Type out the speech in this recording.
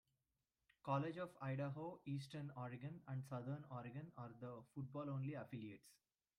College of Idaho, Eastern Oregon, and Southern Oregon are the football-only affiliates.